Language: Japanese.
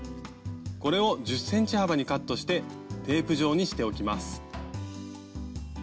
これを１０ｃｍ幅にカットしてテープ状にしておきます。